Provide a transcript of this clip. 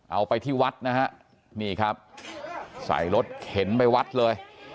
เอาไปที่วัดนะฮะนี่ครับใส่รถเข็นไปวัดเลย